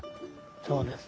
そうです。